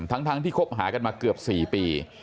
ทั้งที่คบหากันมาเกือบ๔ปี